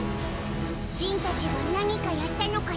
ジンたちが何かやったのかな？